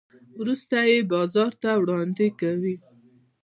وروسته یې بازار ته وړاندې کوي.